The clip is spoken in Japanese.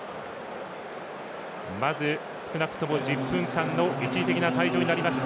まず少なくとも１０分間の一時的な退場になりました